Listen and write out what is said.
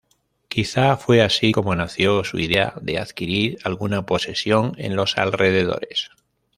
Quizá fue así como nació su idea de adquirir alguna posesión en los alrededores.